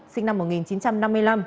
sinh năm một nghìn chín trăm năm mươi năm